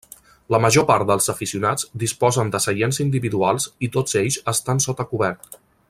La major part dels aficionats disposen de seients individuals i tots ells estan sota cobert.